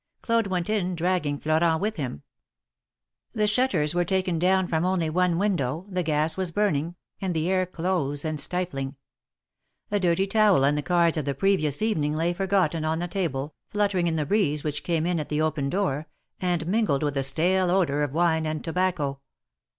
Claude went in, dragging Florent with him. The THE MARKETS OP PARIS. 43 shutters were taken down from only one window, tlie gas was burning, and the air close and stifling; a dirty towel and the cards of tlie previous evening lay forgotten on the table, fluttering in the breeze which came in at the open door, and mingled with the stale odor of wine and tobacco.